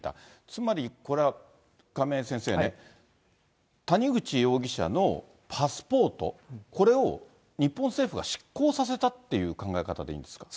つまり、これは亀井先生ね、谷口容疑者のパスポート、これを日本政府が失効させたっていう考え方でいいんですか？